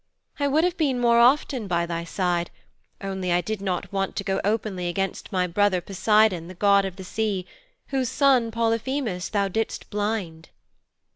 'I would have been more often by thy side, only I did not want to go openly against my brother, Poseidon, the god of the sea, whose son, Polyphemus, thou didst blind.'